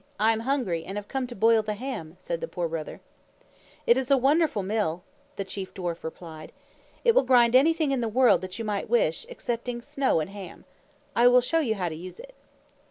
I am hungry and have come to boil the ham," said the Poor Brother. "It is a wonderful Mill," the Chief Dwarf replied. "It will grind anything in the world that you might wish, excepting snow and ham. I will show you how to use it."